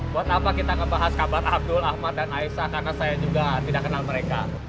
buat apa kita membahas kabar abdul ahmad dan aisyah karena saya juga tidak kenal mereka